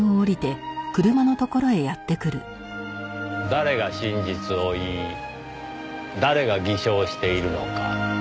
誰が真実を言い誰が偽証しているのか。